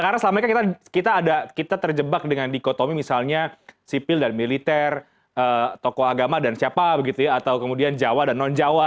karena selama ini kita terjebak dengan dikotomi misalnya sipil dan militer tokoh agama dan siapa begitu ya atau kemudian jawa dan non jawa